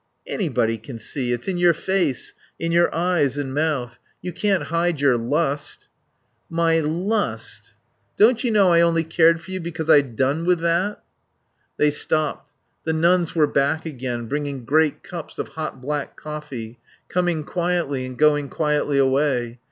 "Anybody can see. It's in your face. In your eyes and mouth. You can't hide your lust." "My 'lust.' Don't you know I only cared for you because I'd done with that?" They stopped. The nuns were back again, bringing great cups of hot black coffee, coming quietly, and going quietly away.